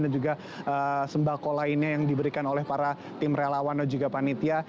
dan juga sembako lainnya yang diberikan oleh para tim relawan dan juga panitia